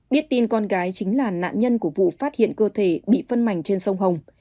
biết tin con gái chính là nạn nhân của vụ phát hiện cơ thể bị phân mảnh trên sông hồng